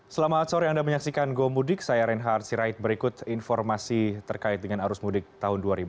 selamat sore anda menyaksikan gomudik saya reinhard sirait berikut informasi terkait dengan arus mudik tahun dua ribu dua puluh